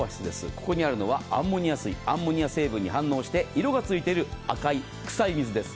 ここにあるのはアンモニア水アンモニア成分に反応して色がついている赤い臭い水です。